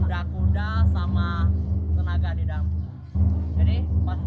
kuda kuda sama tenaga di dalam